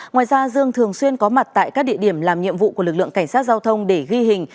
ngoài ra dương thường xuyên có mặt tại các địa điểm làm nhiệm vụ của lực lượng cảnh sát giao thông để ghi hình